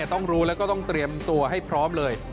ต้องรู้แล้วก็ต้องเตรียมตัวให้พร้อมเลย